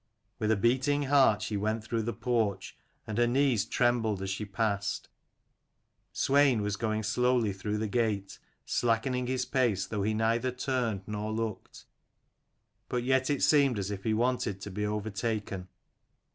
With a beating heart she went through the porch, and her knees trembled as she passed. Swein was going slowly through the gate, slackening his pace, though he neither turned nor looked ; but yet it seemed as if he wanted to be overtaken.